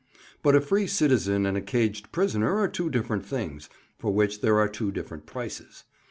But a free citizen and a caged prisoner are two different things, for which there are two different prices.